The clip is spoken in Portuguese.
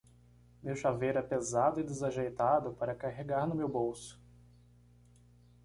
Meu chaveiro é pesado e desajeitado para carregar no meu bolso.